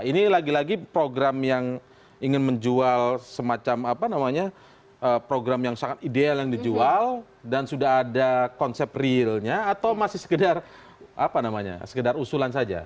ini lagi lagi program yang ingin menjual semacam program yang sangat ideal yang dijual dan sudah ada konsep realnya atau masih sekedar usulan saja